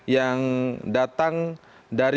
yang datang dari